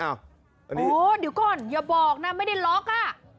โอ้โหอย่าบอกนะไม่ได้ล็อกอ่ะ